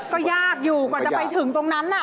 ก็ยากอยู่กว่าจะไปถึงตรงนั้น